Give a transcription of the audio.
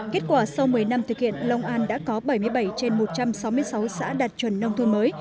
kết quả sau một mươi năm thực hiện long an đã có bảy mươi bảy trên một trăm sáu mươi sáu xã đạt chuẩn nông thôn mới